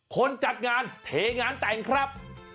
จัดงานเทงานแต่งครับ